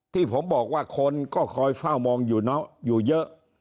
ที่ผมบอกว่าคนก็คอยเฝ้ามองอยู่เยอะ